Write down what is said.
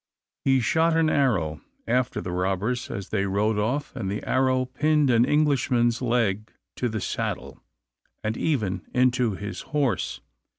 He shot an arrow after the robbers as they rode off, and the arrow pinned an Englishman's leg to the saddle, and even into his horse.